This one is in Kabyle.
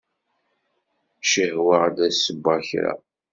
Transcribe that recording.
Cihwaɣ-d ad sweɣ kra.